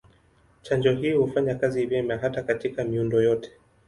Chanjo hii hufanya kazi vyema hata katika miundo yote.